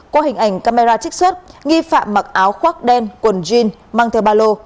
qua hình ảnh camera trích xuất nghi phạm mặc áo khoác đen quần jean mang theo ba lô